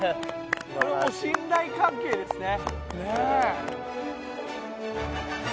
これはもう信頼関係ですね。